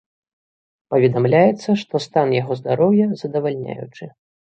Паведамляецца, што стан яго здароўя задавальняючы.